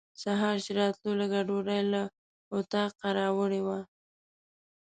سهار چې راتلو لږه ډوډۍ له اطاقه راوړې وه.